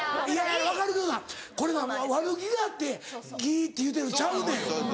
分かるけどなこれな悪気があって「ぎ」って言うてるのとちゃうねん。